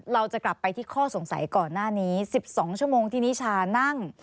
เราจะกลับไปที่ข้อสงสัยก่อนหน้านี้๑๒ชั่วโมงที่นิชานั่ง